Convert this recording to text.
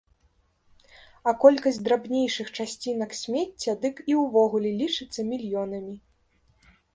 А колькасць драбнейшых часцінак смецця дык і ўвогуле лічыцца мільёнамі.